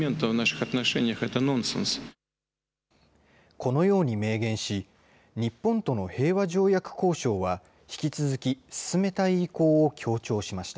このように明言し、日本との平和条約交渉は引き続き進めたい意向を強調しました。